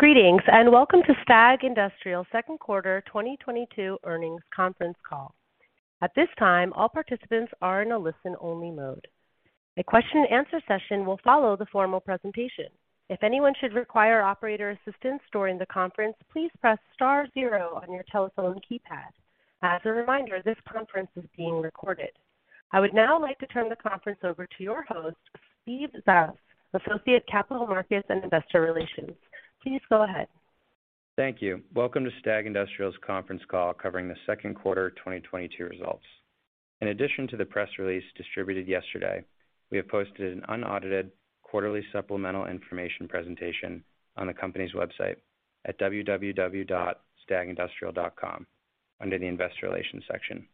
Greetings, and welcome to STAG Industrial Second Quarter 2022 Earnings Conference Call. At this time, all participants are in a listen-only mode. A question-and-answer session will follow the formal presentation. If anyone should require operator assistance during the conference, please press star zero on your telephone keypad. As a reminder, this conference is being recorded. I would now like to turn the conference over to your host, Steve Xiarhos, Associate Capital Markets and Investor Relations. Please go ahead. Thank you. Welcome to STAG Industrial's conference call covering the Second Quarter 2022 Results. In addition to the press release distributed yesterday, we have posted an unaudited quarterly supplemental information presentation on the company's website at www.stagindustrial.com under the Investor Relations section.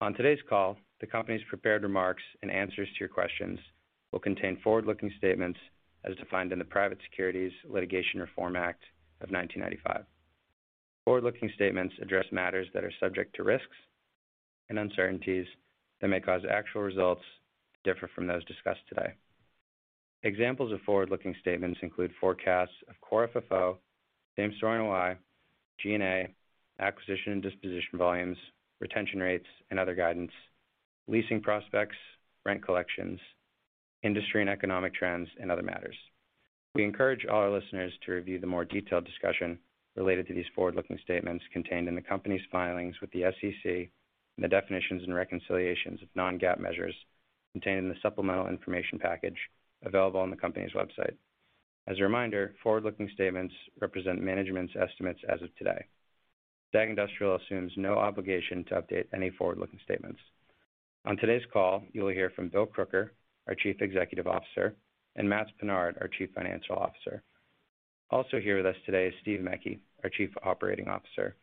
On today's call, the company's prepared remarks in answers to your questions will contain forward-looking statements as defined in the Private Securities Litigation Reform Act of 1995. Forward-looking statements address matters that are subject to risks and uncertainties that may cause actual results to differ from those discussed today. Examples of forward-looking statements include forecasts of Core FFO, Same-Store NOI, G&A, acquisition and disposition volumes, retention rates and other guidance, leasing prospects, rent collections, industry and economic trends, and other matters. We encourage all our listeners to review the more detailed discussion related to these forward-looking statements contained in the company's filings with the SEC and the definitions and reconciliations of non-GAAP measures contained in the supplemental information package available on the company's website. As a reminder, forward-looking statements represent management's estimates as of today. STAG Industrial assumes no obligation to update any forward-looking statements. On today's call, you will hear from Bill Crooker, our Chief Executive Officer, and Matts Pinard, our Chief Financial Officer. Also here with us today is Steve Mecke, our Chief Operating Officer,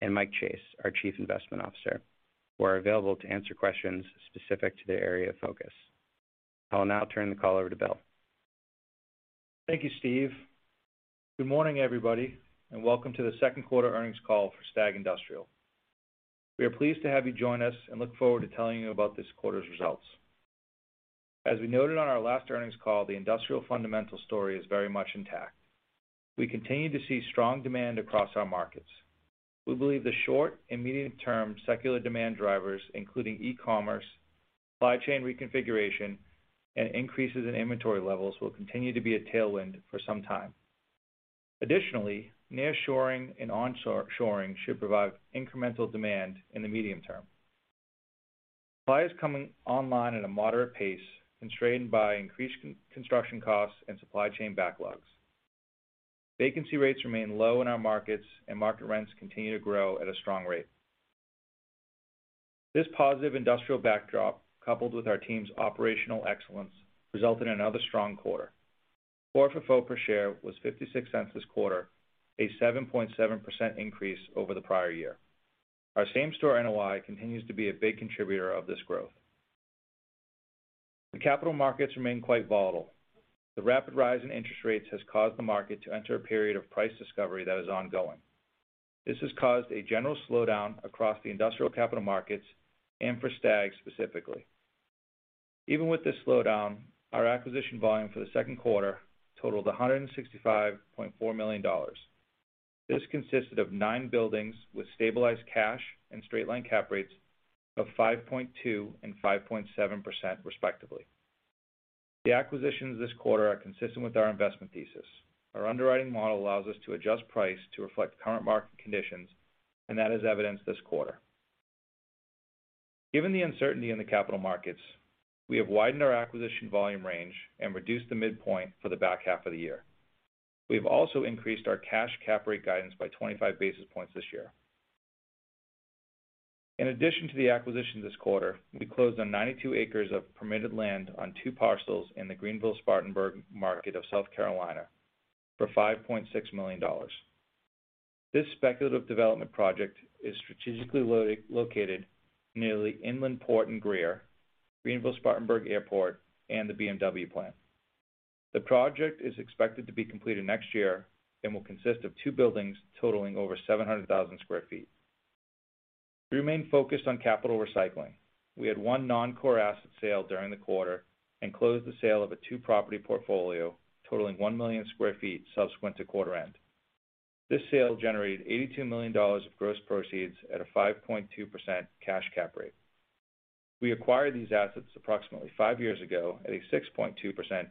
and Mike Chase, our Chief Investment Officer, who are available to answer questions specific to their area of focus. I will now turn the call over to Bill. Thank you, Steve. Good morning, everybody, and welcome to the Second Quarter Earnings Call for STAG Industrial. We are pleased to have you join us and look forward to telling you about this quarter's results. As we noted on our last earnings call, the industrial fundamental story is very much intact. We continue to see strong demand across our markets. We believe the short and medium term secular demand drivers, including e-commerce, supply chain reconfiguration, and increases in inventory levels will continue to be a tailwind for some time. Additionally, near-shoring and onshoring should provide incremental demand in the medium term. Supply is coming online at a moderate pace, constrained by increased construction costs and supply chain backlogs. Vacancy rates remain low in our markets, and market rents continue to grow at a strong rate. This positive industrial backdrop, coupled with our team's operational excellence, result in another strong quarter. Core FFO per share was $0.56 this quarter, a 7.7% increase over the prior year. Our Same-Store NOI continues to be a big contributor of this growth. The Capital Markets remain quite volatile. The rapid rise in interest rates has caused the market to enter a period of price discovery that is ongoing. This has caused a general slowdown across the Industrial Capital Markets and for STAG specifically. Even with this slowdown, our acquisition volume for the second quarter totaled $165.4 million. This consisted of nine buildings with stabilized cash and straight line cap rates of 5.2% and 5.7% respectively. The acquisitions this quarter are consistent with our investment thesis. Our underwriting model allows us to adjust price to reflect current market conditions, and that is evidenced this quarter. Given the uncertainty in the Capital Markets, we have widened our acquisition volume range and reduced the midpoint for the back half of the year. We have also increased our cash cap rate guidance by 25 basis points this year. In addition to the acquisition this quarter, we closed on 92 acres of permitted land on two parcels in the Greenville-Spartanburg market of South Carolina for $5.6 million. This speculative development project is strategically located near the Inland Port in Greer, Greenville-Spartanburg Airport, and the BMW plant. The project is expected to be completed next year and will consist of two buildings totaling over 700,000 sq ft. We remain focused on capital recycling. We had 1 non-core asset sale during the quarter and closed the sale of a two property portfolio totaling 1 million sq ft subsequent to quarter end. This sale generated $82 million of gross proceeds at a 5.2% cash cap rate. We acquired these assets approximately five years ago at a 6.2%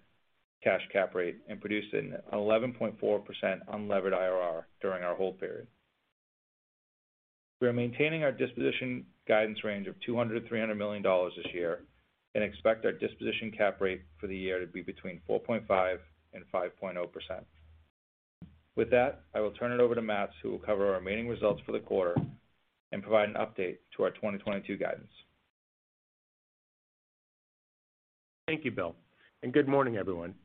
cash cap rate and produced an 11.4% unlevered IRR during our hold period. We are maintaining our disposition guidance range of $200 million-$300 million this year and expect our disposition cap rate for the year to be between 4.5% and 5.0%. With that, I will turn it over to Matts, who will cover our remaining results for the quarter and provide an update to our 2022 guidance. Thank you, Bill, and good morning, everyone.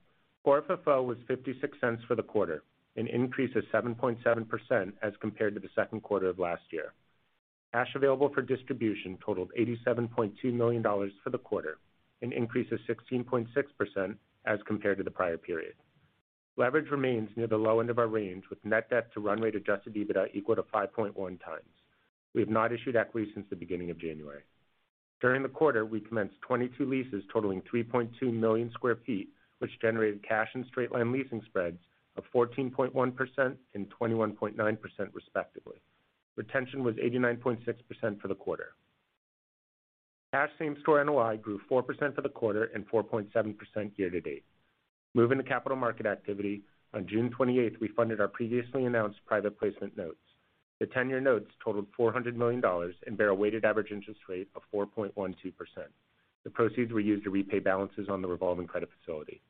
Core FFO was $0.56 for the quarter, an increase of 7.7% as compared to the second quarter of last year. Cash available for distribution totaled $87.2 million for the quarter, an increase of 16.6% as compared to the prior period. Leverage remains near the low end of our range, with net debt to run rate Adjusted EBITDA equal to 5.1x. We have not issued equity since the beginning of January. During the quarter, we commenced 22 leases totaling 3.2 million sq ft, which generated cash and straight line leasing spreads of 14.1% and 21.9%, respectively. Retention was 89.6% for the quarter. Cash Same-Store NOI grew 4% for the quarter and 4.7% year to date. Moving to capital market activity, on June 28th, we funded our previously announced private placement notes. The 10 year notes totaled $400 million and bear a weighted average interest rate of 4.12%. The proceeds were used to repay balances on the revolving credit facility.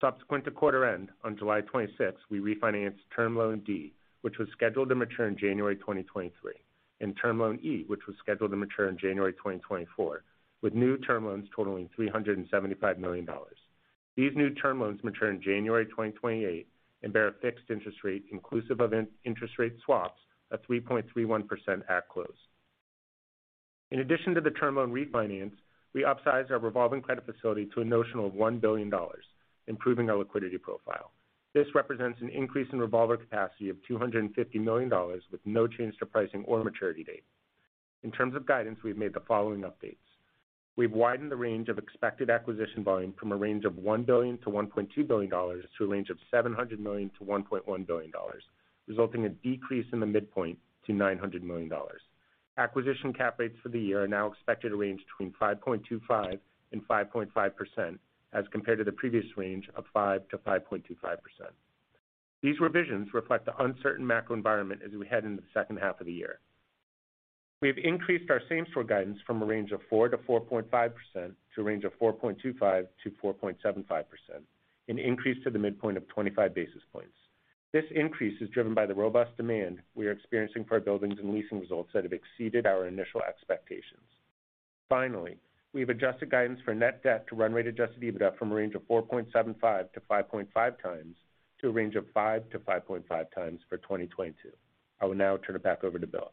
Subsequent to quarter end, on July 26, we refinanced term loan D, which was scheduled to mature in January 2023, and term loan E, which was scheduled to mature in January 2024, with new term loans totaling $375 million. These new term loans mature in January 2028 and bear a fixed interest rate inclusive of interest rate swaps of 3.31% at close. In addition to the term loan refinance, we upsized our revolving credit facility to a notional of $1 billion, improving our liquidity profile. This represents an increase in revolver capacity of $250 million with no change to pricing or maturity date. In terms of guidance, we've made the following updates. We've widened the range of expected acquisition volume from a range of $1 billion-$1.2 billion to a range of $700 million-$1.1 billion, resulting in a decrease in the midpoint to $900 million. Acquisition cap rates for the year are now expected to range between 5.25%-5.5% as compared to the previous range of 5%-5.25%. These revisions reflect the uncertain macro environment as we head into the second half of the year. We have increased our same-store guidance from a range of 4%-4.5% to a range of 4.25%-4.75%, an increase to the midpoint of 25 basis points. This increase is driven by the robust demand we are experiencing for our buildings and leasing results that have exceeded our initial expectations. Finally, we've adjusted guidance for net debt to run-rate Adjusted EBITDA from a range of 4.75x-5.5x to a range of 5x-5.5x for 2022. I will now turn it back over to Bill.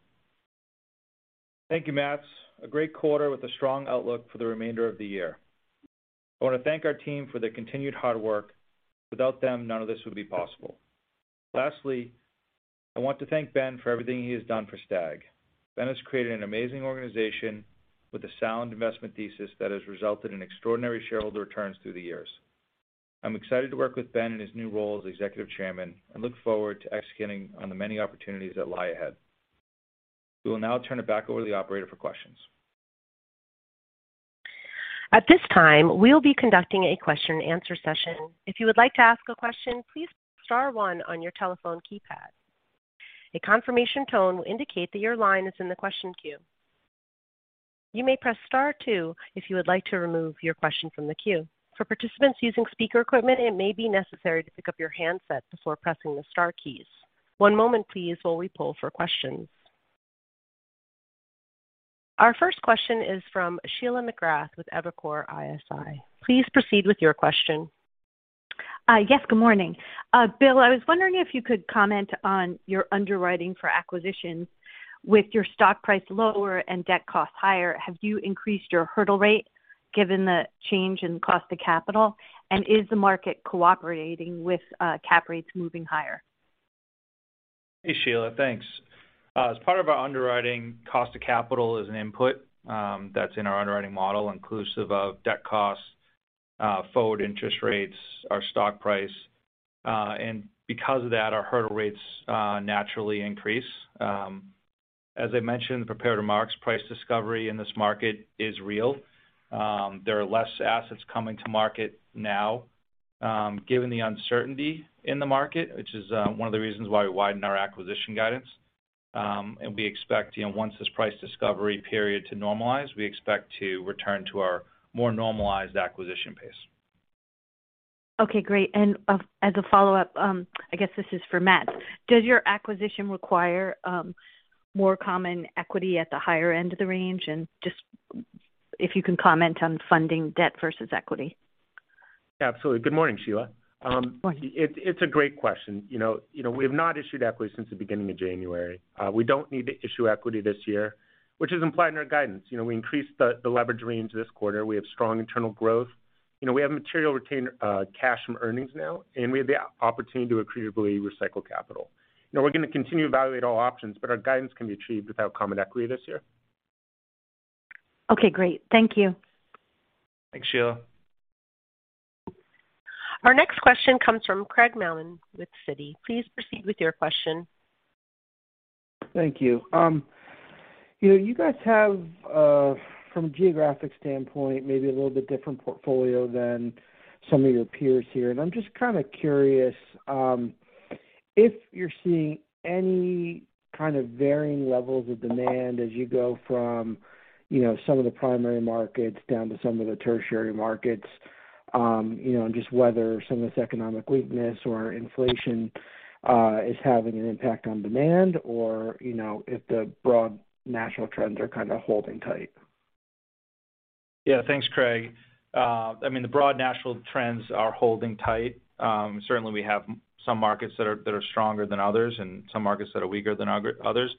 Thank you, Matts. A great quarter with a strong outlook for the remainder of the year. I want to thank our team for their continued hard work. Without them, none of this would be possible. Lastly, I want to thank Ben for everything he has done for STAG. Ben has created an amazing organization with a sound investment thesis that has resulted in extraordinary shareholder returns through the years. I'm excited to work with Ben in his new role as Executive Chairman and look forward to executing on the many opportunities that lie ahead. We will now turn it back over to the operator for questions. At this time, we'll be conducting a question answer session. If you would like to ask a question, please star one on your telephone keypad. A confirmation tone will indicate that your line is in the question queue. You may press Star two if you would like to remove your question from the queue. For participants using speaker equipment, it may be necessary to pick up your handset before pressing the star keys. One moment please while we poll for questions. Our first question is from Sheila McGrath with Evercore ISI. Please proceed with your question. Yes, good morning. Bill, I was wondering if you could comment on your underwriting for acquisitions. With your stock price lower and debt costs higher, have you increased your hurdle rate given the change in cost to capital? Is the market cooperating with cap rates moving higher? Hey, Sheila. Thanks. As part of our underwriting, cost of capital is an input that's in our underwriting model, inclusive of debt costs, forward interest rates, our stock price. Because of that, our hurdle rates naturally increase. As I mentioned in the prepared remarks, price discovery in this market is real. There are less assets coming to market now, given the uncertainty in the market, which is one of the reasons why we widened our acquisition guidance. We expect, you know, once this price discovery period to normalize, we expect to return to our more normalized acquisition pace. Okay, great. As a follow-up, I guess this is for Matt. Does your acquisition require more common equity at the higher end of the range? Just if you can comment on funding debt versus equity. Yeah, absolutely. Good morning, Sheila. Good morning. It's a great question. You know, we have not issued equity since the beginning of January. We don't need to issue equity this year, which is implied in our guidance. You know, we increased the leverage range this quarter. We have strong internal growth. You know, we have material retained cash from earnings now, and we have the opportunity to accretively recycle capital. You know, we're gonna continue to evaluate all options, but our guidance can be achieved without common equity this year. Okay, great. Thank you. Thanks, Sheila. Our next question comes from Craig Mailman with Citi. Please proceed with your question. Thank you. You know, you guys have, from a geographic standpoint, maybe a little bit different portfolio than some of your peers here. I'm just kind of curious, if you're seeing any kind of varying levels of demand as you go from, you know, some of the primary markets down to some of the tertiary markets, you know, and just whether some of this economic weakness or inflation, is having an impact on demand or, you know, if the broad national trends are kind of holding tight. Yeah. Thanks, Craig. I mean, the broad national trends are holding tight. Certainly we have some markets that are stronger than others and some markets that are weaker than others.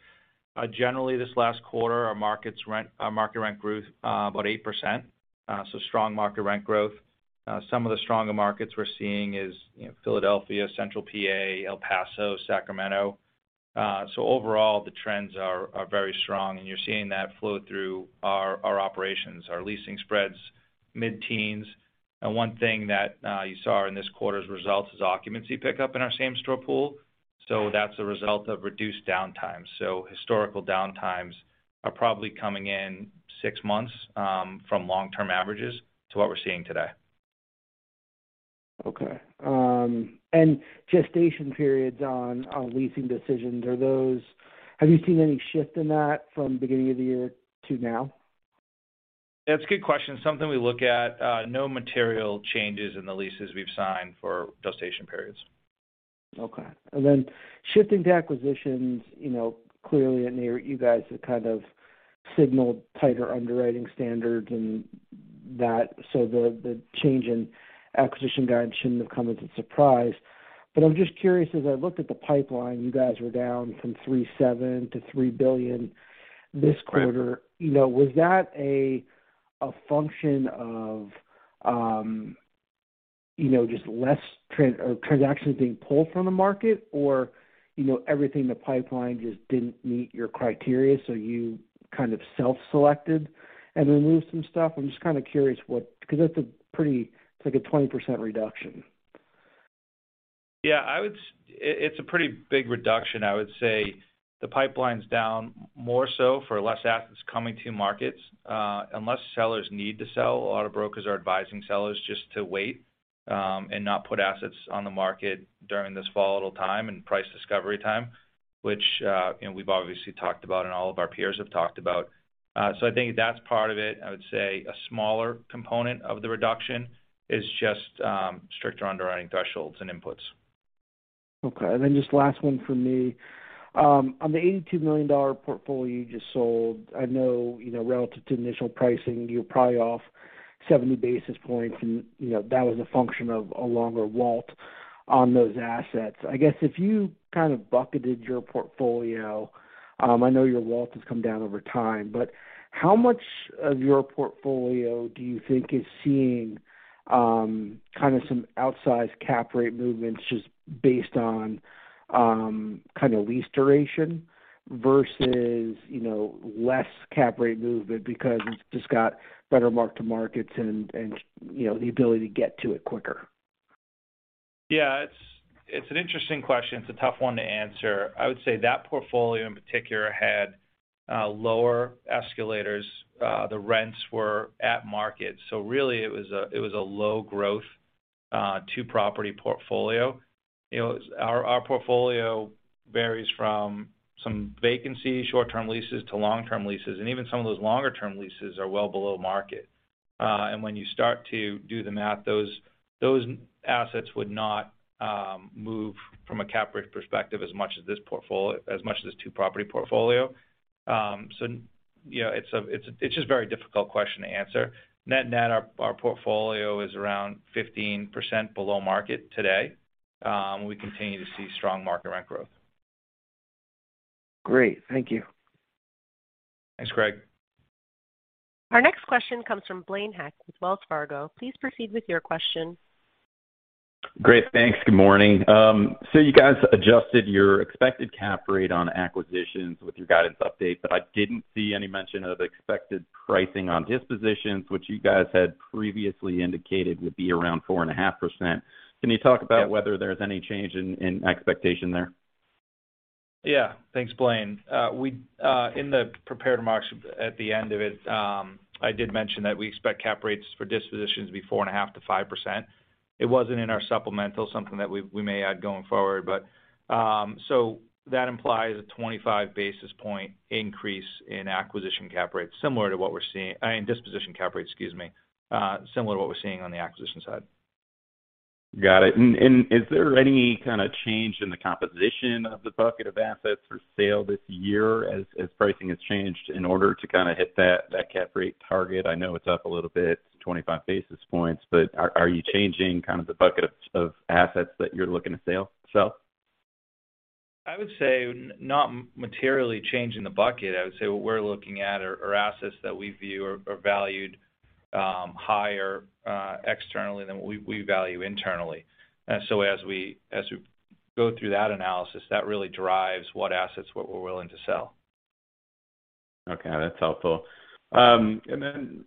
Generally this last quarter, our market rent growth about 8%, so strong market rent growth. Some of the stronger markets we're seeing is, you know, Philadelphia, Central PA, El Paso, Sacramento. Overall, the trends are very strong, and you're seeing that flow through our operations. Our leasing spreads mid-teens. One thing that you saw in this quarter's results is occupancy pickup in our same-store pool. That's a result of reduced downtime. Historical downtimes are probably coming in six months from long-term averages to what we're seeing today. Gestation periods on leasing decisions, have you seen any shift in that from beginning of the year to now? That's a good question, something we look at. No material changes in the leases we've signed for gestation periods. Okay. Shifting to acquisitions, you know, clearly, I know you guys have kind of signaled tighter underwriting standards and that, so the change in acquisition guidance shouldn't have come as a surprise. I'm just curious, as I looked at the pipeline, you guys were down from $3.7 billion-$3 billion this quarter. Right. You know, was that a function of, you know, just less transactions being pulled from the market or, you know, everything in the pipeline just didn't meet your criteria, so you kind of self-selected and removed some stuff? I'm just kind of curious what. Because that's a pretty. It's like a 20% reduction. It's a pretty big reduction. I would say the pipeline's down more so for less assets coming to markets. Unless sellers need to sell, a lot of brokers are advising sellers just to wait and not put assets on the market during this volatile time and price discovery time, which, and we've obviously talked about and all of our peers have talked about. I think that's part of it. I would say a smaller component of the reduction is just stricter underwriting thresholds and inputs. Okay. Just last one from me. On the $82 million portfolio you just sold, I know, you know, relative to initial pricing, you're probably off 70 basis points and, you know, that was a function of a longer WALT on those assets. I guess if you kind of bucketed your portfolio, I know your WALT has come down over time, but how much of your portfolio do you think is seeing, kind of some outsized cap rate movements just based on, kind of lease duration versus, you know, less cap rate movement because it's just got better mark-to-market and, you know, the ability to get to it quicker? Yeah. It's an interesting question. It's a tough one to answer. I would say that portfolio in particular had lower escalators. The rents were at market. Really, it was a low-growth two-property portfolio. You know, our portfolio varies from some vacancy short-term leases to long-term leases, and even some of those longer-term leases are well below market. When you start to do the math, those assets would not move from a cap rate perspective as much as this two-property portfolio. You know, it's just a very difficult question to answer. Net-net, our portfolio is around 15% below market today. We continue to see strong market rent growth. Great. Thank you. Thanks, Craig. Our next question comes from Blaine Heck with Wells Fargo. Please proceed with your question. Great. Thanks. Good morning. You guys adjusted your expected cap rate on acquisitions with your guidance update, but I didn't see any mention of expected pricing on dispositions, which you guys had previously indicated would be around 4.5%. Can you talk about? Yeah. whether there's any change in expectation there? Yeah. Thanks, Blaine. We, in the prepared remarks at the end of it, I did mention that we expect cap rates for dispositions to be 4.5%-5%. It wasn't in our supplemental, something that we may add going forward. That implies a 25 basis point increase in acquisition cap rates, similar to what we're seeing. I mean, disposition cap rate, excuse me, similar to what we're seeing on the acquisition side. Got it. Is there any kind of change in the composition of the bucket of assets for sale this year as pricing has changed in order to kind of hit that cap rate target? I know it's up a little bit, it's 25 basis points, but are you changing kind of the bucket of assets that you're looking to sell? I would say not materially changing the bucket. I would say what we're looking at are assets that we view are valued higher externally than we value internally. As we go through that analysis, that really drives what assets we're willing to sell. Okay, that's helpful. And then,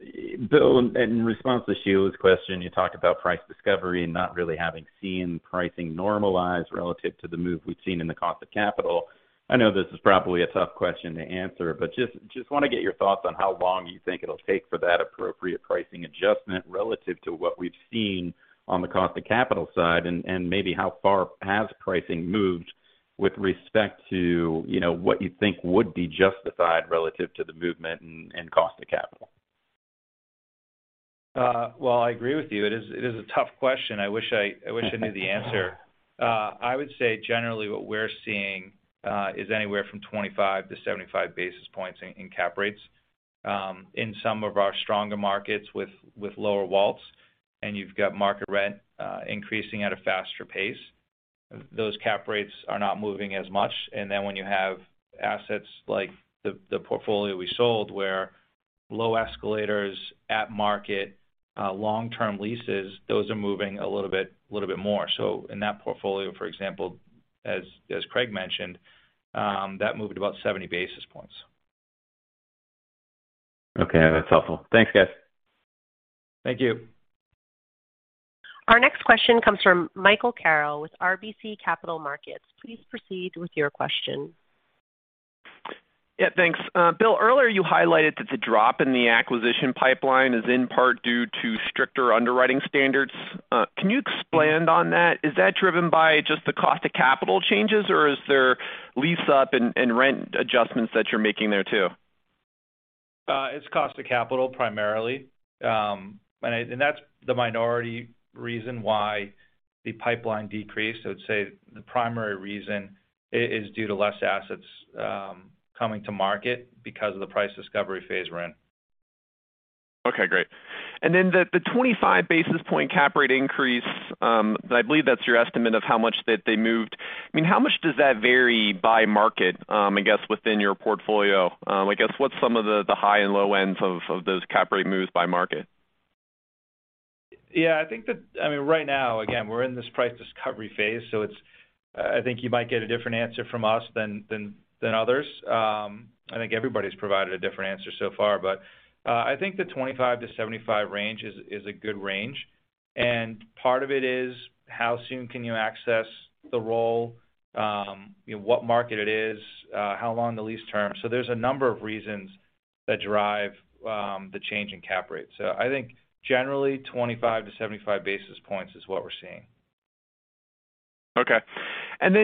Bill, in response to Sheila's question, you talked about price discovery not really having seen pricing normalize relative to the move we've seen in the cost of capital. I know this is probably a tough question to answer, but just wanna get your thoughts on how long you think it'll take for that appropriate pricing adjustment relative to what we've seen on the cost of capital side, and maybe how far has pricing moved with respect to, you know, what you think would be justified relative to the movement and cost of capital. Well, I agree with you. It is a tough question. I wish I knew the answer. I would say generally what we're seeing is anywhere from 25 basis points-75 basis points in cap rates. In some of our stronger markets with lower WALTs, and you've got market rent increasing at a faster pace, those cap rates are not moving as much. When you have assets like the portfolio we sold where low escalators at market, long-term leases, those are moving a little bit more. In that portfolio, for example, as Craig mentioned, that moved about 70 basis points. Okay. That's helpful. Thanks, guys. Thank you. Our next question comes from Michael Carroll with RBC Capital Markets. Please proceed with your question. Yeah, thanks. Bill, earlier you highlighted that the drop in the acquisition pipeline is in part due to stricter underwriting standards. Can you expand on that? Is that driven by just the cost of capital changes, or is there lease up and rent adjustments that you're making there too? It's cost of capital primarily. That's the minority reason why the pipeline decreased. I would say the primary reason is due to less assets coming to market because of the price discovery phase we're in. Okay, great. Then the 25 basis point cap rate increase, I believe that's your estimate of how much that they moved. I mean, how much does that vary by market, I guess within your portfolio? I guess what's some of the high and low ends of those cap rate moves by market? Yeah, I think. I mean, right now, again, we're in this price discovery phase. I think you might get a different answer from us than others. I think everybody's provided a different answer so far. I think the 25-75 range is a good range. Part of it is how soon can you acquire the real estate, you know, what market it is, how long the lease term. There's a number of reasons that drive the change in cap rates. I think generally 25 basis points-75 basis points is what we're seeing. Okay.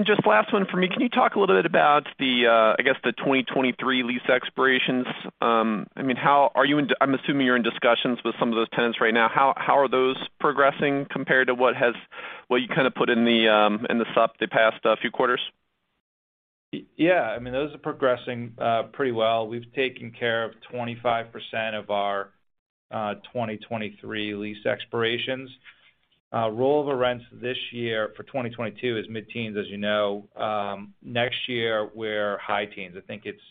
Just last one from me. Can you talk a little bit about the, I guess, the 2023 lease expirations? I mean, I'm assuming you're in discussions with some of those tenants right now. How are those progressing compared to what you kind of put in the supplemental the past few quarters? Yeah. I mean, those are progressing pretty well. We've taken care of 25% of our 2023 lease expirations. Rollover rents this year for 2022 is mid-teens, as you know. Next year we're high teens. I think it's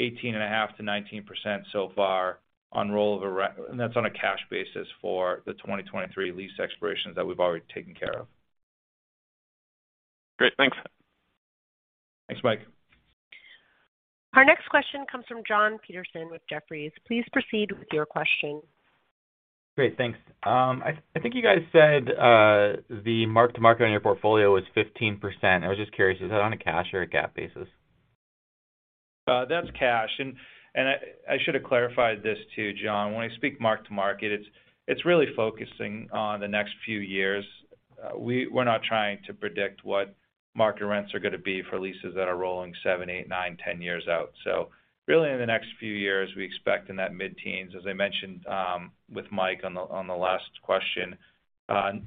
18.5%-19% so far on rollover rents, and that's on a cash basis for the 2023 lease expirations that we've already taken care of. Great. Thanks. Thanks, Mike. Our next question comes from Jon Petersen with Jefferies. Please proceed with your question. Great. Thanks. I think you guys said the mark to market on your portfolio was 15%. I was just curious, is that on a cash or a GAAP basis? That's cash. I should have clarified this too, Jon. When I speak mark-to-market, it's really focusing on the next few years. We're not trying to predict what market rents are gonna be for leases that are rolling seven, eight, nine, 10 years out. Really in the next few years, we expect in that mid-teens, as I mentioned, with Mike on the last question.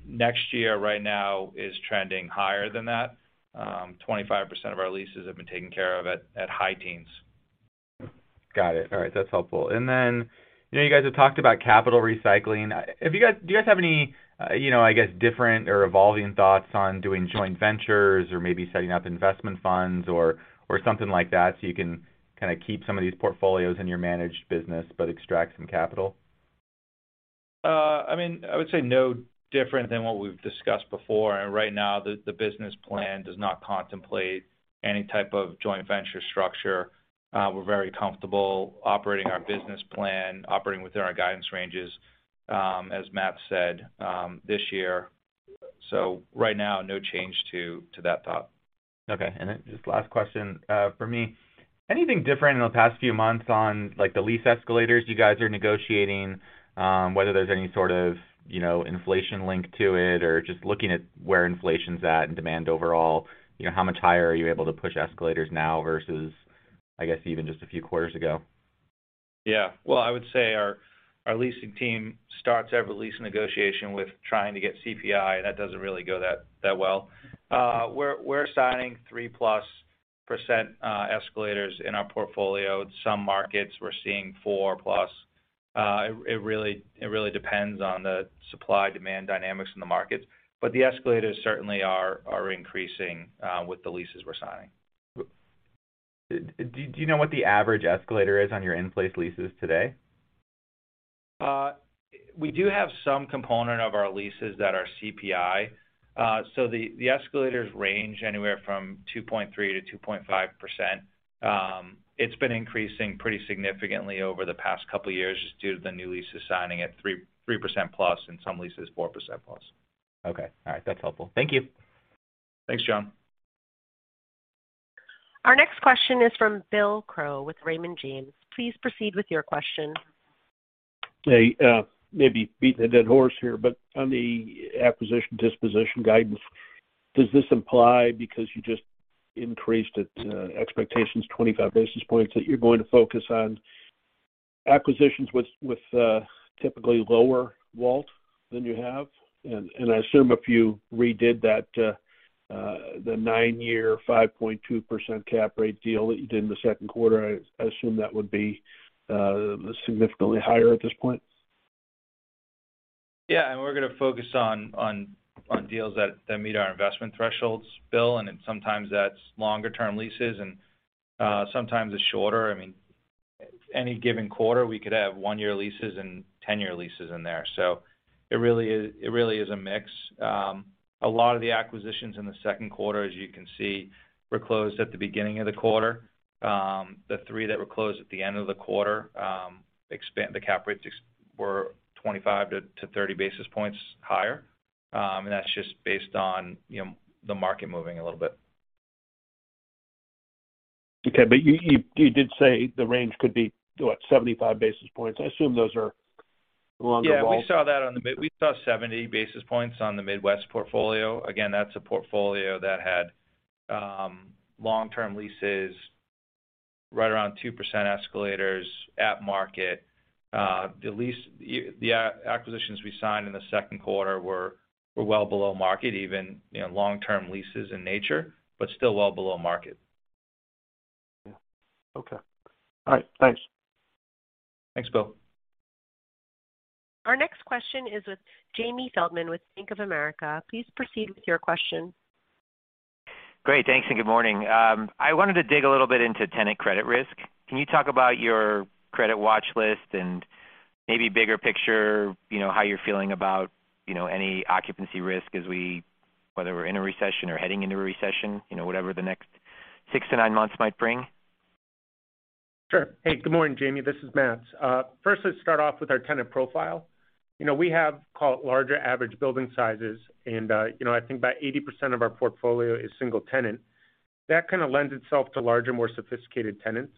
Next year right now is trending higher than that. 25% of our leases have been taken care of at high teens. Got it. All right. That's helpful. You know, you guys have talked about capital recycling. Do you guys have any, you know, I guess, different or evolving thoughts on doing joint ventures or maybe setting up investment funds or something like that, so you can kinda keep some of these portfolios in your managed business but extract some capital? I mean, I would say no different than what we've discussed before. Right now, the business plan does not contemplate any type of joint venture structure. We're very comfortable operating our business plan, operating within our guidance ranges, as Matt said, this year. Right now, no change to that thought. Okay. Just last question from me. Anything different in the past few months on, like, the lease escalators you guys are negotiating, whether there's any sort of, you know, inflation link to it or just looking at where inflation's at and demand overall, you know, how much higher are you able to push escalators now versus, I guess, even just a few quarters ago? Yeah. Well, I would say our leasing team starts every lease negotiation with trying to get CPI. That doesn't really go that well. We're signing 3%+ escalators in our portfolio. In some markets, we're seeing 4%+. It really depends on the supply-demand dynamics in the markets. The escalators certainly are increasing with the leases we're signing. Do you know what the average escalator is on your in-place leases today? We do have some component of our leases that are CPI. So the escalators range anywhere from 2.3%-2.5%. It's been increasing pretty significantly over the past couple years just due to the new leases signing at 3.3%+, and some leases 4%+. Okay. All right. That's helpful. Thank you. Thanks, Jon. Our next question is from Bill Crow with Raymond James. Please proceed with your question. Hey, maybe beating a dead horse here, but on the acquisition disposition guidance, does this imply because you just increased it, expectations 25 basis points, that you're going to focus on acquisitions with typically lower WALT than you have? I assume if you redid that, the nine-year, 5.2% cap rate deal that you did in the second quarter, I assume that would be significantly higher at this point? Yeah, we're gonna focus on deals that meet our investment thresholds, Bill, and then sometimes that's longer-term leases and sometimes it's shorter. I mean, any given quarter, we could have one year leases and 10-year leases in there. It really is a mix. A lot of the acquisitions in the second quarter, as you can see, were closed at the beginning of the quarter. The three that were closed at the end of the quarter, the cap rates were 25 basis points-30 basis points higher. That's just based on, you know, the market moving a little bit. Okay. You did say the range could be, what? 75 basis points. I assume those are longer- Yeah. We saw 70 basis points on the Midwest portfolio. Again, that's a portfolio that had long-term leases right around 2% escalators at market. The acquisitions we signed in the second quarter were well below market, even, you know, long-term leases in nature, but still well below market. Yeah. Okay. All right. Thanks. Thanks, Bill. Our next question is with Jamie Feldman with Bank of America. Please proceed with your question. Great. Thanks, and good morning. I wanted to dig a little bit into tenant credit risk. Can you talk about your credit watch list and maybe bigger picture, you know, how you're feeling about, you know, any occupancy risk whether we're in a recession or heading into a recession, you know, whatever the next six to nine months might bring? Sure. Hey, good morning, Jamie Feldman. This is Matts Pinard. First, let's start off with our tenant profile. You know, we have call it larger average building sizes and, you know, I think about 80% of our portfolio is single tenant. That kind of lends itself to larger, more sophisticated tenants.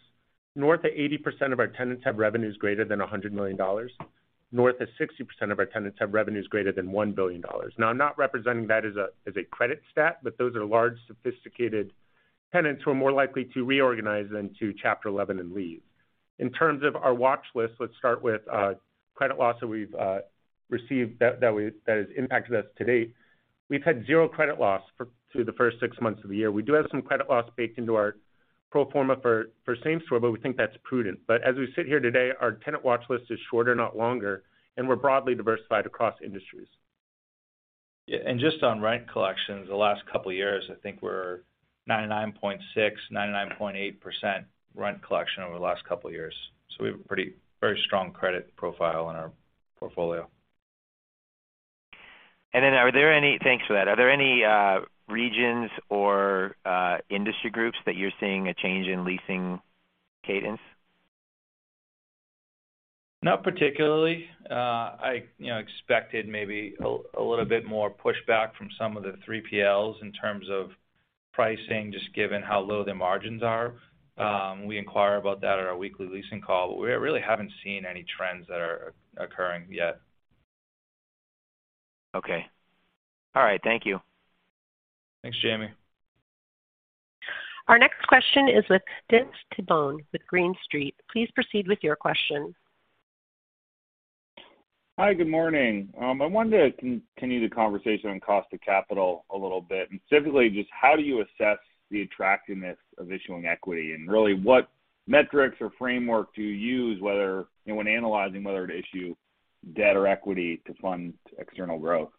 North of 80% of our tenants have revenues greater than $100 million, north of 60% of our tenants have revenues greater than $1 billion. Now, I'm not representing that as a credit stat, but those are large, sophisticated tenants who are more likely to reorganize than to Chapter 11 and leave. In terms of our watch list, let's start with credit loss that we've received that has impacted us to date. We've had zero credit loss through the first six months of the year. We do have some credit loss baked into our pro forma for same store, but we think that's prudent. As we sit here today, our tenant watch list is shorter, not longer, and we're broadly diversified across industries. Yeah. Just on rent collections, the last couple years, I think we're 99.6, 99.8% rent collection over the last couple years. We have a pretty very strong credit profile in our portfolio. Thanks for that. Are there any regions or industry groups that you're seeing a change in leasing cadence? Not particularly. I, you know, expected maybe a little bit more pushback from some of the 3PLs in terms of pricing, just given how low their margins are. We inquire about that on our weekly leasing call, but we really haven't seen any trends that are occurring yet. Okay. All right. Thank you. Thanks, Jamie. Our next question is with Vince Tibone with Green Street. Please proceed with your question. Hi. Good morning. I wanted to continue the conversation on cost of capital a little bit, and specifically just how do you assess the attractiveness of issuing equity, and really what metrics or framework do you use, whether, you know, when analyzing whether to issue debt or equity to fund external growth?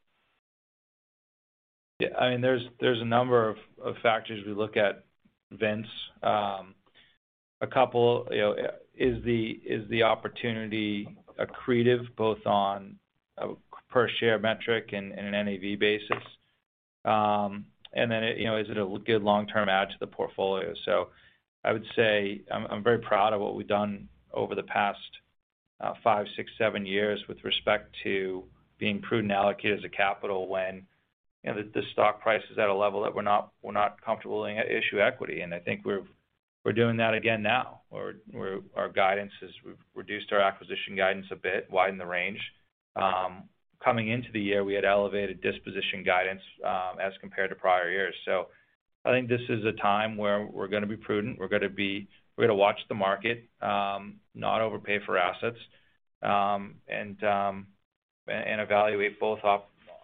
Yeah. I mean, there's a number of factors we look at, Vince. A couple, you know, is the opportunity accretive both on a per share metric and an NAV basis? You know, is it a good long-term add to the portfolio? I would say I'm very proud of what we've done over the past five, six, seven years with respect to being prudent allocators of capital when, you know, the stock price is at a level that we're not comfortable issuing equity, and I think we're doing that again now, where our guidance is we've reduced our acquisition guidance a bit, widened the range. Coming into the year, we had elevated disposition guidance as compared to prior years. I think this is a time where we're gonna be prudent. We're gonna watch the market, not overpay for assets, and evaluate both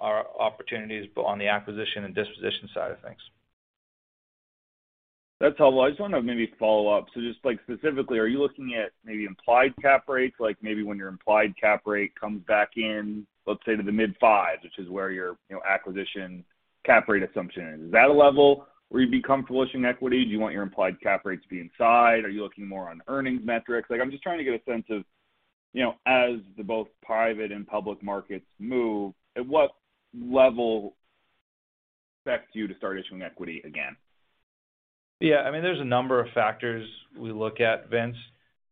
opportunities on the acquisition and disposition side of things. That's helpful. I just wanna maybe follow up. Just like specifically, are you looking at maybe implied cap rates, like maybe when your implied cap rate comes back in, let's say to the mid-fives, which is where your, you know, acquisition cap rate assumption is. Is that a level where you'd be comfortable issuing equity? Do you want your implied cap rates to be inside? Are you looking more on earnings metrics? Like, I'm just trying to get a sense of, you know, as the both private and public markets move, at what level expects you to start issuing equity again? Yeah. I mean, there's a number of factors we look at, Vince.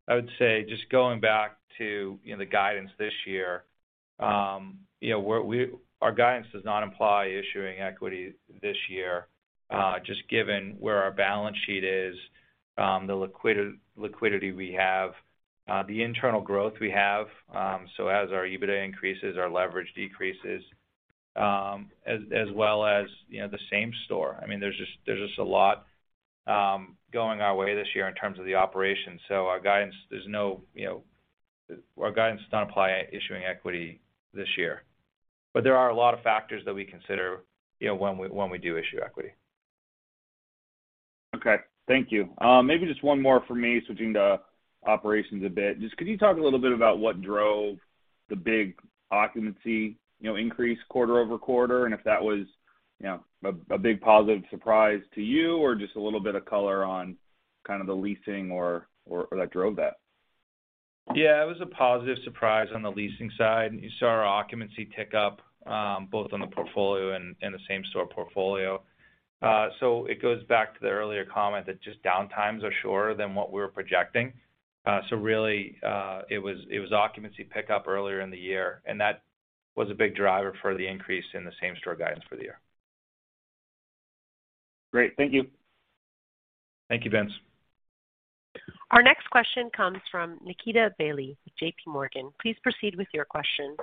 I would say just going back to, you know, the guidance this year, our guidance does not imply issuing equity this year, just given where our balance sheet is, the liquidity we have, the internal growth we have. So as our EBITDA increases, our leverage decreases, as well as, you know, the same store. I mean, there's just a lot going our way this year in terms of the operation. So our guidance does not imply issuing equity this year. There are a lot of factors that we consider, you know, when we do issue equity. Okay. Thank you. Maybe just one more from me, switching to operations a bit. Could you talk a little bit about what drove the big occupancy, you know, increase quarter-over-quarter, and if that was, you know, a big positive surprise to you or just a little bit of color on kind of the leasing or what drove that? Yeah. It was a positive surprise on the leasing side. You saw our occupancy tick up both on the portfolio and the same-store portfolio. It goes back to the earlier comment that just downtimes are shorter than what we were projecting. Really, it was occupancy pick up earlier in the year, and that was a big driver for the increase in the same-store guidance for the year. Great. Thank you. Thank you, Vince. Our next question comes from Nick Thillman with Baird. Please proceed with your question.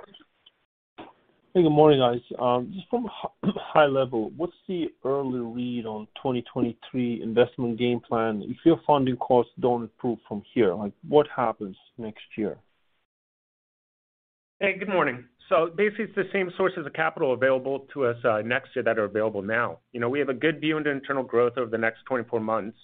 Hey, good morning, guys. Just from high level, what's the early read on 2023 investment game plan? If your funding costs don't improve from here, like, what happens next year? Hey, good morning. Basically, it's the same sources of capital available to us next year that are available now. You know, we have a good view into internal growth over the next 24 months.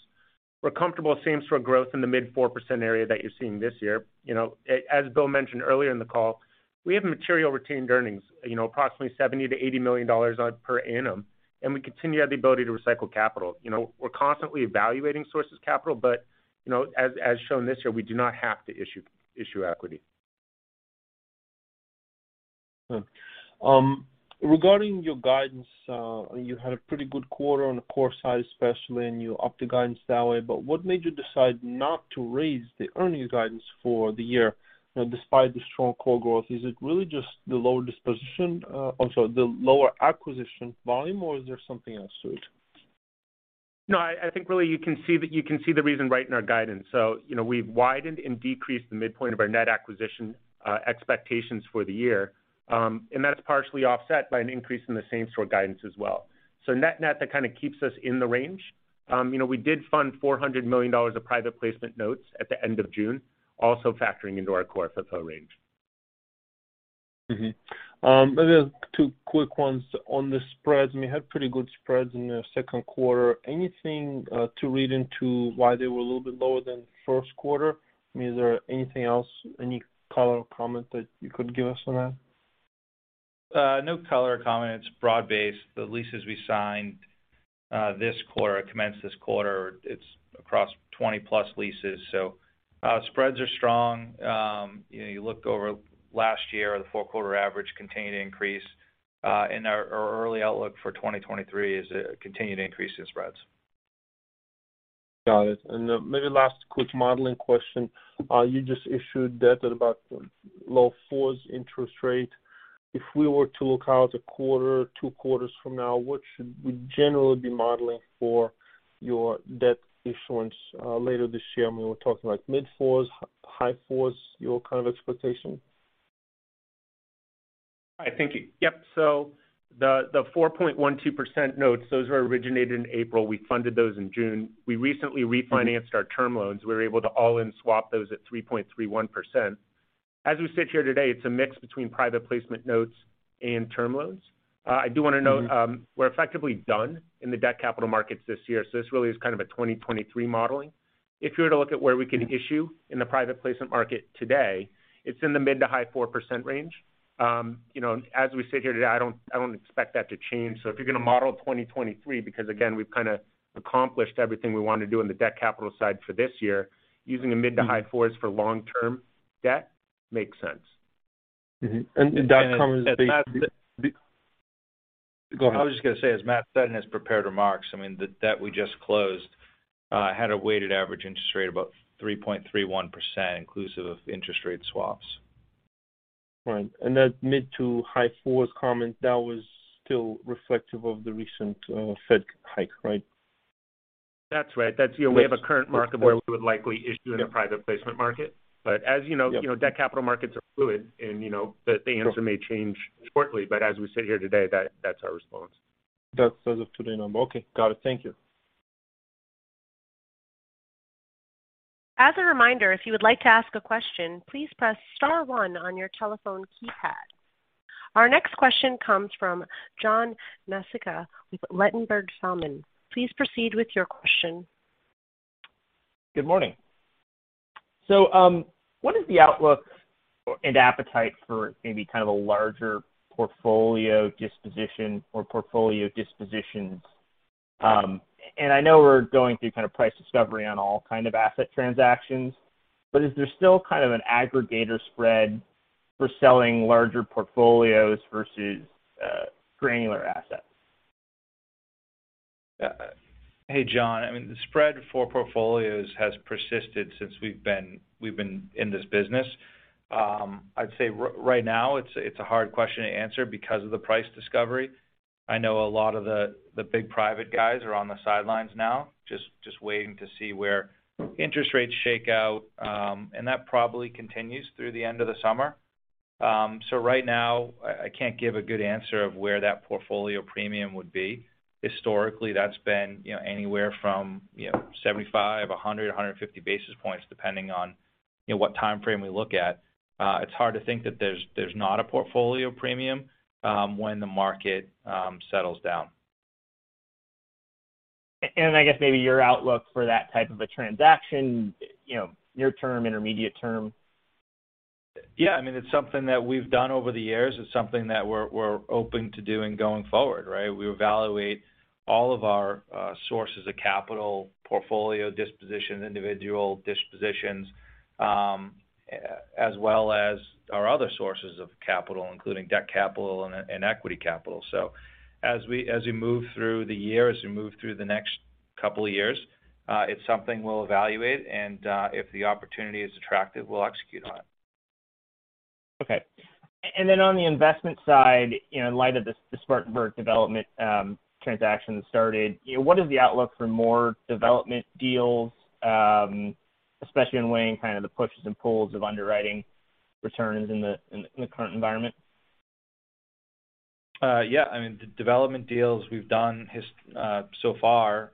We're comfortable with same-store growth in the mid-4% area that you're seeing this year. You know, as Bill mentioned earlier in the call, we have material retained earnings, you know, approximately $70 million-$80 million per annum, and we continue to have the ability to recycle capital. You know, we're constantly evaluating sources of capital, but, you know, as shown this year, we do not have to issue equity. Regarding your guidance, you had a pretty good quarter on the core side, especially, and you upped the guidance that way. What made you decide not to raise the earnings guidance for the year, you know, despite the strong core growth? Is it really just the lower disposition, also the lower acquisition volume, or is there something else to it? No, I think really you can see the reason right in our guidance. You know, we've widened and decreased the midpoint of our net acquisition expectations for the year. And that's partially offset by an increase in the same-store guidance as well. Net-net, that kind of keeps us in the range. You know, we did fund $400 million of private placement notes at the end of June, also factoring into our Core FFO range. Maybe just two quick ones on the spreads. I mean, you had pretty good spreads in the second quarter. Anything to read into why they were a little bit lower than first quarter? I mean, is there anything else, any color or comment that you could give us on that? No color or comment. It's broad-based. The leases we signed this quarter commenced this quarter. It's across 20+ leases. Spreads are strong. You know, you look over last year, the four-quarter average continued to increase. Our early outlook for 2023 is a continued increase in spreads. Got it. Maybe last quick modeling question. You just issued debt at about low 4s interest rate. If we were to look out a quarter, two quarters from now, what should we generally be modeling for your debt issuance later this year? I mean, we're talking like mid 4s, high 4s, your kind of expectation? The 4.12% notes, those were originated in April. We funded those in June. We recently refinanced our term loans. We were able to all-in swap those at 3.31%. As we sit here today, it's a mix between private placement notes and term loans. I do wanna note Mm-hmm. We're effectively done in the debt capital markets this year, so this really is kind of a 2023 modeling. If you were to look at where we can issue in the private placement market today, it's in the mid- to high 4% range. You know, as we sit here today, I don't expect that to change. If you're gonna model 2023, because again, we've kinda accomplished everything we want to do on the debt capital side for this year, using a mid- to high 4s for long-term debt makes sense. That comment is ba- And as- Go ahead. I was just gonna say, as Matt said in his prepared remarks, I mean, the debt we just closed had a weighted average interest rate of about 3.31%, inclusive of interest rate swaps. Right. Tha t mid- to high 4s comment, that was still reflective of the recent Fed hike, right? That's right. Yes. We have a current market where we would likely issue. Yep. in a private placement market. As you know Yep. You know, debt capital markets are fluid and, you know, the answer. Sure. may change quarterly. As we sit here today, that's our response. That's as of today number. Okay. Got it. Thank you. As a reminder, if you would like to ask a question, please press star one on your telephone keypad. Our next question comes from John Massocca of Ladenburg Thalmann. Please proceed with your question. Good morning. What is the outlook and appetite for maybe kind of a larger portfolio disposition or portfolio dispositions? I know we're going through kind of price discovery on all kind of asset transactions, but is there still kind of an aggregator spread for selling larger portfolios versus granular assets? Hey, John. I mean, the spread for portfolios has persisted since we've been in this business. I'd say right now it's a hard question to answer because of the price discovery. I know a lot of the big private guys are on the sidelines now, just waiting to see where interest rates shake out. That probably continues through the end of the summer. Right now I can't give a good answer of where that portfolio premium would be. Historically, that's been, you know, anywhere from, you know, 75, 100, 150 basis points, depending on You know, what time frame we look at. It's hard to think that there's not a portfolio premium when the market settles down. I guess maybe your outlook for that type of a transaction, you know, near term, intermediate term? Yeah. I mean, it's something that we've done over the years. It's something that we're open to doing going forward, right? We evaluate all of our sources of capital, portfolio disposition, individual dispositions, as well as our other sources of capital, including debt capital and equity capital. As we move through the year, as we move through the next couple of years, it's something we'll evaluate, and if the opportunity is attractive, we'll execute on it. Okay. On the investment side, you know, in light of the Spartanburg development transaction that started, you know, what is the outlook for more development deals, especially in weighing kind of the pushes and pulls of underwriting returns in the current environment? Yeah, I mean, the development deals we've done so far,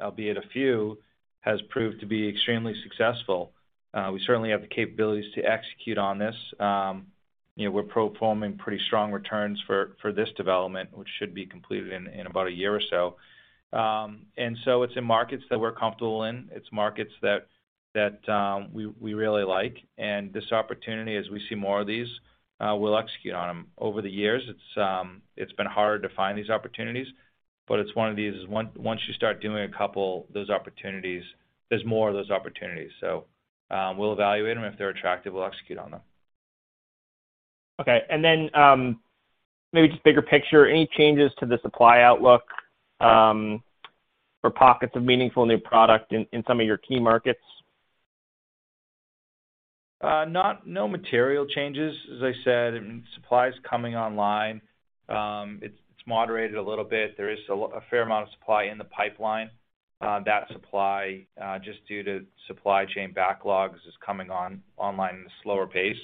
albeit a few, has proved to be extremely successful. We certainly have the capabilities to execute on this. You know, we're performing pretty strong returns for this development, which should be completed in about a year or so. It's in markets that we're comfortable in. It's markets that we really like. This opportunity, as we see more of these, we'll execute on them. Over the years, it's been hard to find these opportunities, but it's one of these, once you start doing a couple, those opportunities, there's more of those opportunities. We'll evaluate them. If they're attractive, we'll execute on them. Okay. Maybe just big picture, any changes to the supply outlook, or pockets of meaningful new product in some of your key markets? No material changes. As I said, I mean, supply is coming online. It's moderated a little bit. There is a fair amount of supply in the pipeline. That supply, just due to supply chain backlogs, is coming online in a slower pace.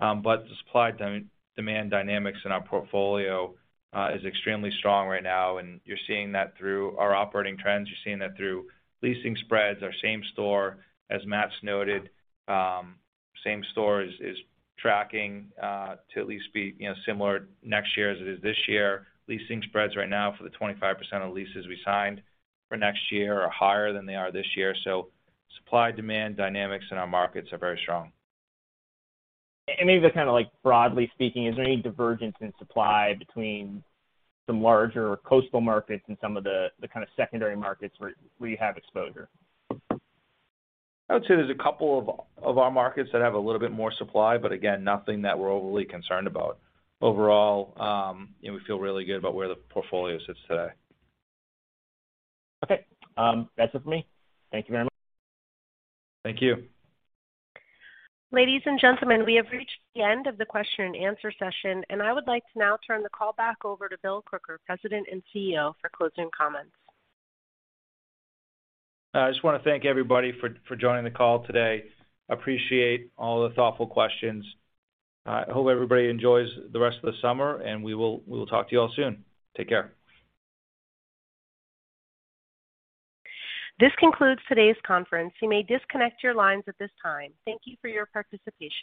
But the supply-demand dynamics in our portfolio is extremely strong right now, and you're seeing that through our operating trends. You're seeing that through leasing spreads, our same store. As Matts's noted, same store is tracking to at least be, you know, similar next year as it is this year. Leasing spreads right now for the 25% of leases we signed for next year are higher than they are this year. Supply-demand dynamics in our markets are very strong. Maybe just kind of like broadly speaking, is there any divergence in supply between some larger coastal markets and some of the kind of secondary markets where you have exposure? I would say there's a couple of our markets that have a little bit more supply, but again, nothing that we're overly concerned about. Overall, you know, we feel really good about where the portfolio sits today. Okay. That's it for me. Thank you very much. Thank you. Ladies and gentlemen, we have reached the end of the question and answer session, and I would like to now turn the call back over to Bill Crooker, President and CEO, for closing comments. I just wanna thank everybody for joining the call today. Appreciate all the thoughtful questions. I hope everybody enjoys the rest of the summer, and we will talk to you all soon. Take care. This concludes today's conference. You may disconnect your lines at this time. Thank you for your participation.